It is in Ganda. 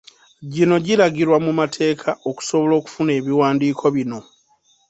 Gino giragirwa mu mateeka okusobola okufuna ebiwandiiko bino.